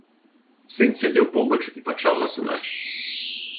Сын сядзеў побач і пачаў засынаць.